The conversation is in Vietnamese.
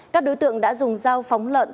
các đối tượng đã dùng dao phóng lợn